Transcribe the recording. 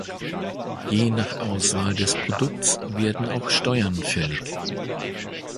Je nach Auswahl des Produkts werden auch Steuern fällig.